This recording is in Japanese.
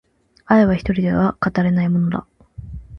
愛は一人では語れないものだ